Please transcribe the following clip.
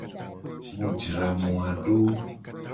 Mu jra moa do.